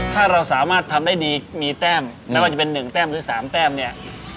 ถ้าเราสามารถทำได้ดีมีแต้มไม่ว่าจะเป็น๑แต้มหรือ๓แต้มเนี่ย